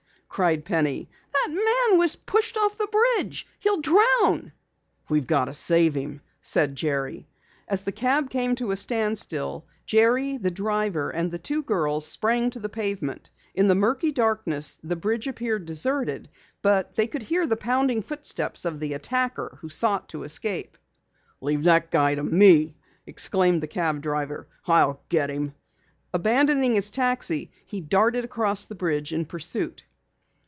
cried Penny. "That man was pushed off the bridge! He'll drown!" "We've got to save him," said Jerry. As the cab came to a standstill, Jerry, the driver, and the two girls, sprang to the pavement. In the murky darkness the bridge appeared deserted, but they could hear the pounding footsteps of the attacker who sought to escape. "Leave that guy to me!" exclaimed the cab driver. "I'll get him!" Abandoning his taxi, he darted across the bridge in pursuit.